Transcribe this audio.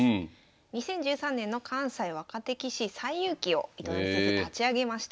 ２０１３年の関西若手棋士西遊棋を糸谷先生立ち上げました。